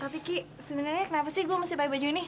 tapi ki sebenarnya kenapa sih gue masih pakai baju ini